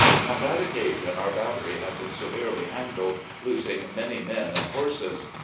On that occasion our battery had been severely handled, losing many men and horses.